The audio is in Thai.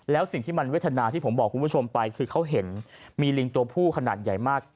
แล้วสิ่งที่มันเวทนาที่ผมบอกคุณผู้ชมไปคือเขาเห็นมีลิงตัวผู้ขนาดใหญ่มาก